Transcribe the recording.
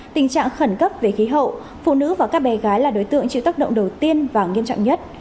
tình trạng khẩn cấp về khí hậu phụ nữ và các bé gái là đối tượng chịu tác động đầu tiên và nghiêm trọng nhất